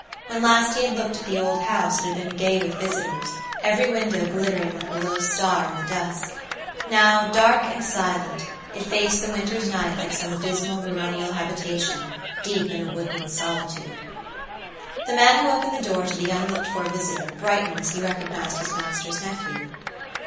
When last he had looked at the old house it had been gay with visitors, every window glittering like a low star in the dusk; now, dark and silent, it faced the winter's night like some dismal baronial habitation, deep in a woodland solitude. The man who opened the door to the unlooked for visitor, brightened as he recognized his master's nephew.